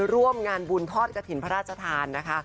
ร่วมงานบุญทอดกระถิ่นพระราชทานนะคะ